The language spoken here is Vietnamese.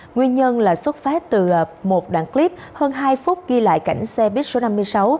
nguyên nhân là xuất phát từ một đoạn clip hơn hai phút ghi lại cảnh xe buýt số năm mươi sáu